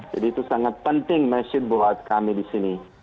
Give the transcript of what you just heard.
jadi itu sangat penting masjid buat kami di sini